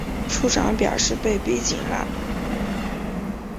处长表示被逼紧了